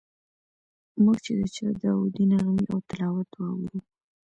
موږ چې د چا داودي نغمې او تلاوت واورو.